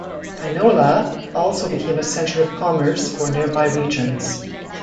Heinola also became a center of commerce for nearby regions.